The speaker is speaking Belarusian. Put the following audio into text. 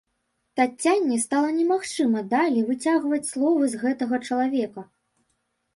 Таццяне стала немагчымым далей выцягваць словы з гэтага чалавека.